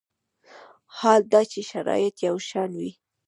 حال دا چې شرایط یو شان وي.